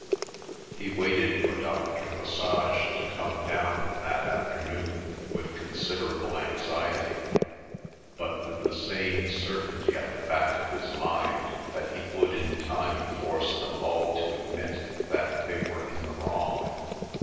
He waited for Dr. Lesage to come down that afternoon with considerable anxiety, but with the same certainty at the back of his mind that he would in time force them all to admit that they were in the wrong.